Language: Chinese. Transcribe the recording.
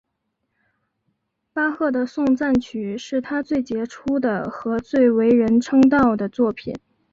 巴赫的颂赞曲是他最杰出的和最为人称道的作品。